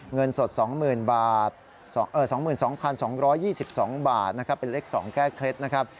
เงินสด๒๒๒๒๒บาทเป็นเลข๒แก้เคล็ดนะครับ